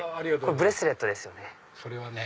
ブレスレットですよね？